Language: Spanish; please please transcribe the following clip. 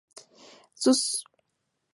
Sus obras se basan en temas sociales.